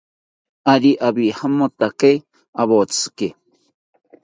Ari awijamotakae awotziki